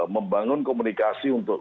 membangun komunikasi untuk komunikasi